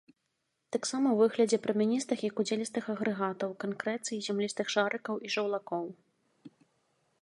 Таксама ў выглядзе прамяністых і кудзелістых агрэгатаў, канкрэцыі, зямлістых шарыкаў і жаўлакоў.